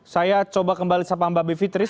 saya coba kembali sapa mbak bivitris